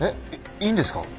いいんですか？